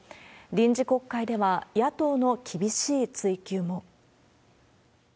臨時国会では、野党の厳しい追及も。